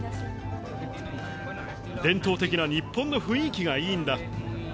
伝統的な日本の雰囲気がいいんだ。